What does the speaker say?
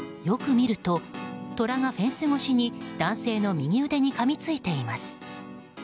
よく見るとトラがフェンス越しに男性の右腕にかみついています。